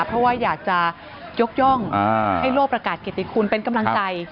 เพราะว่าอยากจะยกย่องให้โลกประกาศเกติคุณเป็นกำลังใจ